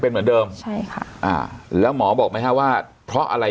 เป็นเหมือนเดิมใช่ค่ะอ่าแล้วหมอบอกไหมฮะว่าเพราะอะไร